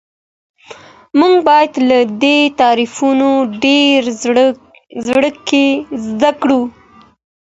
موږ باید له دې تعریفونو ډېره زده کړه وکړو.